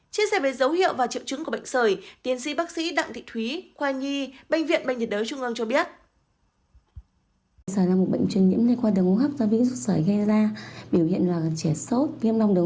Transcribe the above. chia sẻ về dấu hiệu và triệu chứng của bệnh sởi tiến sĩ bác sĩ đặng thị thúy khoa nhi bệnh viện bệnh nhiệt đới trung ương cho biết